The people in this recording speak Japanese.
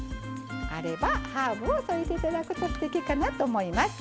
あればハーブを添えていただくとすてきかなと思います。